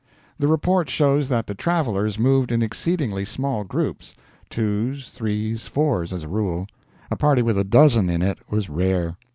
The Report shows that the travelers moved in exceedingly small groups twos, threes, fours, as a rule; a party with a dozen in it was rare.